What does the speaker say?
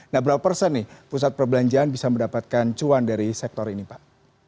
nah berapa persen nih pusat perbelanjaan bisa mendapatkan cuan dari sektor ini pak